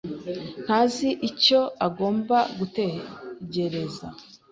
ntazi icyo agomba gutegereza.